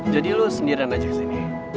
jadi lo sendirian aja kesini